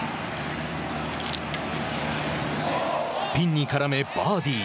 ピンに絡めバーディー。